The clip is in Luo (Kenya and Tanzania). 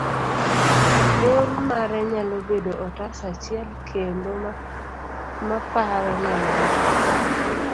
bor mare nyalo bedo otas achiel kende ma paro ne ng'ato